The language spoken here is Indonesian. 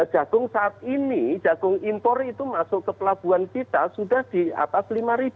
jagung saat ini jagung impor itu masuk ke pelabuhan kita sudah di atas lima lima empat ratus